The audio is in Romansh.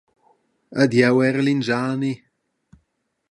Ed jeu erel in schani.